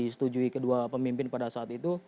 disetujui kedua pemimpin pada saat itu